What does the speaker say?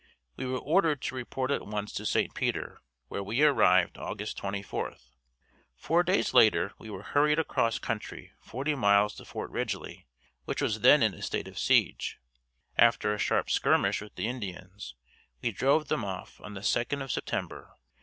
We were ordered to report at once to St. Peter where we arrived August 24. Four days later we were hurried across country forty miles to Fort Ridgely which was then in a state of siege. After a sharp skirmish with the Indians, we drove them off on the second of September.